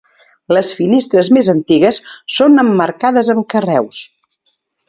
Les finestres més antigues són emmarcades amb carreus.